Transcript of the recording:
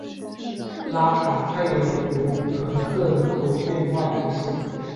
拉卡佩尔博南克人口变化图示